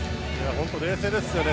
本当に冷静ですよね。